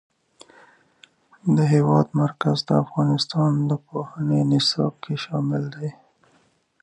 د هېواد مرکز د افغانستان د پوهنې نصاب کې شامل دی.